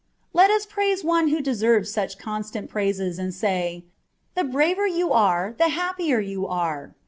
Let us praise one who deserves such constant praises, and say, " The braver you are the happier you are